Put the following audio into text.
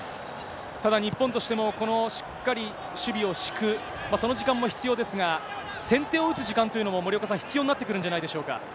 ただ日本としても、このしっかり守備を敷く、その時間も必要ですが、先手を打つ時間というのも、森岡さん、必要になってくるんじゃないでしょうか。